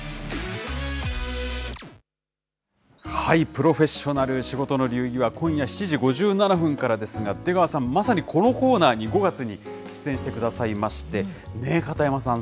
プロフェッショナル仕事の流儀は今夜７時５７分からですが、出川さん、まさにこのコーナーに５月に出演してくださいまして、片山さん。